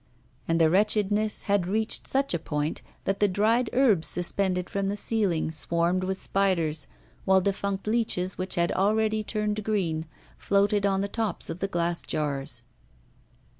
And the wretchedness had reached such a point that the dried herbs suspended from the ceiling swarmed with spiders, while defunct leeches, which had already turned green, floated on the tops of the glass jars.